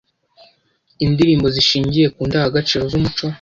indirimbo zishingiye ku ndangagaciro z’umuco